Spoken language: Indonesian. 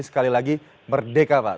sekali lagi merdeka pak